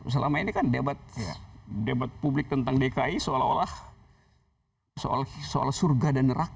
selama ini kan debat publik tentang dki seolah olah soal surga dan neraka